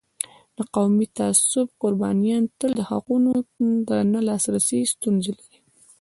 د قومي تعصب قربانیان تل د حقونو د نه لاسرسی ستونزه لري.